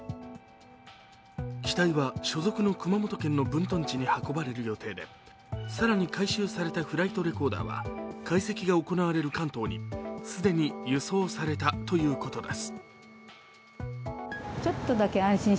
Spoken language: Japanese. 機体は所属の熊本県の分屯地に運ばれる予定で、更に回収されたフライトレコーダーは解析が行われる関東に既に輸送されたということです。